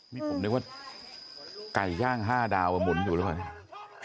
ผมนึกว่าไก่ย่างห้าดาวมุนอยู่หรือเปล่า